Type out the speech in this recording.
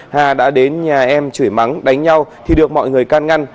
hà đã đến nhà em chửi mắng đánh nhau thì được mọi người can ngăn